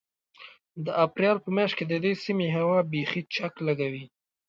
د اپرېل په مياشت کې د دې سيمې هوا بيخي چک لګوي.